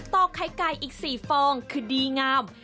อกไข่ไก่อีก๔ฟองคือดีงาม